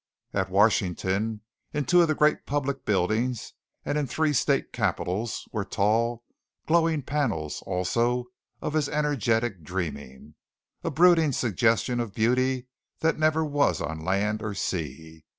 At Washington, in two of the great public buildings and in three state capitols were tall, glowing panels also of his energetic dreaming, a brooding suggestion of beauty that never was on land or sea.